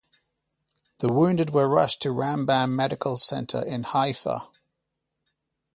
The wounded were rushed to Rambam Medical Center in Haifa.